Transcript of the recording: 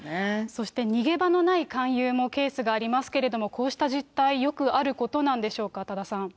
そして逃げ場のない勧誘もケースがありますけれども、こうした実態、よくあることなんでしょうか、多田さん。